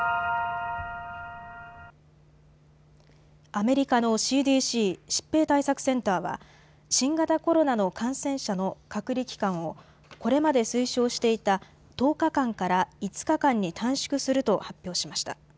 アメリカのＣＤＣ・疾病対策センターは新型コロナの感染者の隔離期間をこれまで推奨していた１０日間から５日間に短縮すると発表しました。